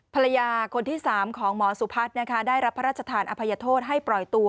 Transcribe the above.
ภรรยาคนที่๓ของหมอสุพัฒน์นะคะได้รับพระราชทานอภัยโทษให้ปล่อยตัว